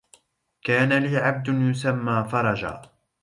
كان لي عبد يسمى فرجا